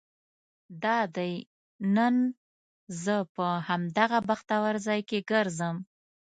دادی نن زه په همدغه بختور ځای کې ګرځم.